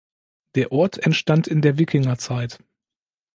Der Ort entstand in der Wikingerzeit.